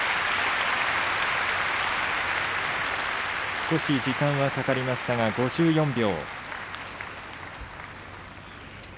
少し時間はかかりました５４秒。